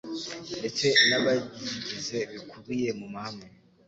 ndetse n abazigize bikubiye mu mahame